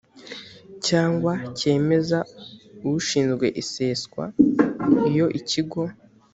cyangwa cyemeza ushinzwe iseswa iyo ikigo